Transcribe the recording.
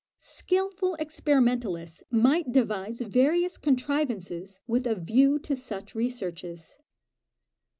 Skilful experimentalists might devise various contrivances with a view to such researches.